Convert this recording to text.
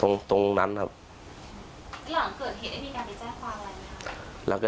หลังเกิดเหตุได้มีการไปแจ้งความอะไรไหมครับ